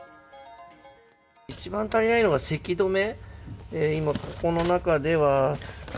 一番足りないのがせき止め。